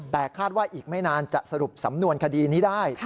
แต่คาดว่าอีกไม่นานจะสรุปสำนวนคดีนี้ได้